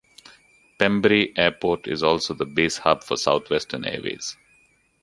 Pembrey Airport is also the base hub for South Western Airways.